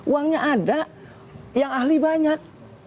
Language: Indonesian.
uangnya ada yang ahli banyak